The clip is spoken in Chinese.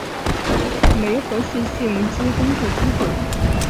媒合适性之工作机会